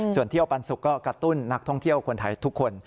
ส่วนเที่ยวปันสุกก็กระตุ้นนักท่องเที่ยวคนไทยทุกคน